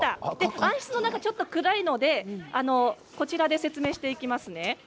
暗室の中が、ちょっと暗いのでこちらで説明しますね。